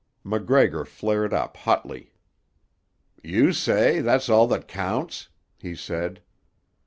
MacGregor flared up hotly. "You say, that's all that counts?" he said.